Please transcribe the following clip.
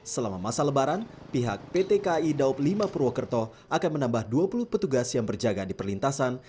selama masa lebaran pihak pt kai daup lima purwokerto akan menambah dua puluh petugas yang berjaga di perlintasan